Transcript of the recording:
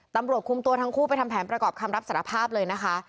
ตำรวจคุมตัวทั้งคู่ไปทำแผนประกอบคำรับสารภาพเลยนะคะ